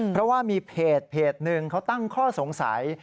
เพราะว่ามีเพจหนึ่งเขาตั้งข้อสงสัย